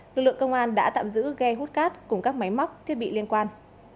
lực lượng công an đã tạm giữ ghe hút cát cùng các máy móc thiết bị liên quan